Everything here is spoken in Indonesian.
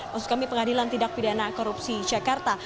maksud kami pengadilan tindak pidana korupsi jakarta